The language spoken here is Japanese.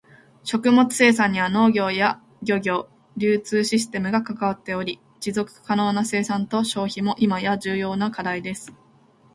食物生産には農業や漁業、流通システムが関わっており、持続可能な生産と消費も今や重要な課題です。